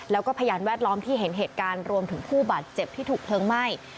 แล้วก็พยานแวดล้อมที่เห็นเหตุการณ์รวมถึงผู้บาดเจ็บที่ถูกเพลิงไหม้